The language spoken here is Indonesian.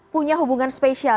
punya hubungan spesial